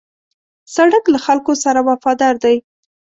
سړک له خلکو سره وفادار دی.